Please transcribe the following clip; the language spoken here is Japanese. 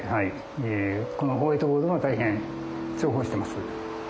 このホワイトボードは大変重宝してます。